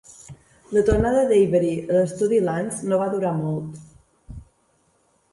La tornada d'Avery a l'estudi Lantz no va durar molt.